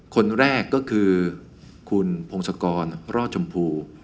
คนแรกก็คือคุณพงศกรรอดชมพู